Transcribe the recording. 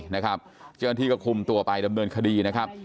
เจ้าหน้าที่ก็คุมตัวไปดำเนินคดีนะครับ